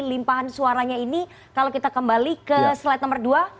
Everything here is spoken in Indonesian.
limpahan suaranya ini kalau kita kembali ke slide nomor dua